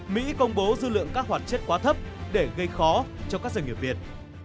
mỹ công bố dư lượng các hoạt chất quá thấp để gây khó cho các doanh nghiệp việt